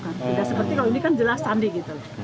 tidak seperti kalau ini kan jelas sandi gitu